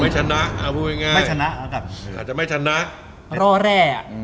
อ๋อจะไม่ชนะเอาคุณเป็นง่ายรอแร่